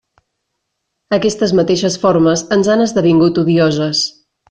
Aquestes mateixes formes ens han esdevingut odioses.